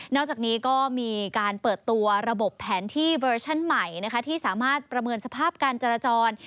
อกจากนี้ก็มีการเปิดตัวระบบแผนที่เวอร์ชั่นใหม่ที่สามารถประเมินสภาพการจราจร